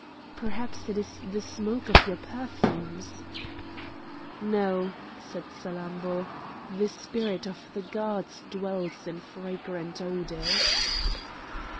"Perhaps it is the smoke of your perfumes?" "No!" said Salammbô; "the spirit of the gods dwells in fragrant odours."